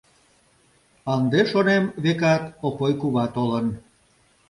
«Ынде, — шонем, — векат, Опой кува толын!»